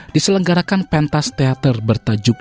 diselenggarakan pentas teater bertajuk